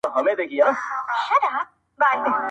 جام کندهار کي رانه هېر سو، صراحي چیري ده.